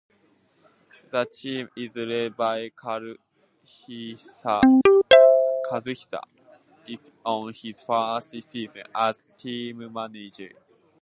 The team is led by Kazuhisa Ishii on his first season as team manager.